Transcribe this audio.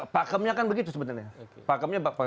pak kemnya kan begitu sebenarnya